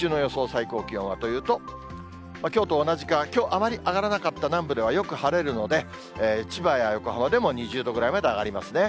最高気温はというと、きょうと同じか、きょうあまり上がらなかった南部ではよく晴れるので、千葉や横浜でも、２０度ぐらいまで上がりますね。